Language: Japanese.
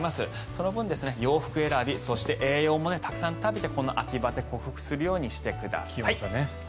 その分、洋服選びそして栄養もたくさん食べてこの秋バテ克服するようにしてください。